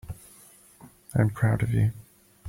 I'm proud of you.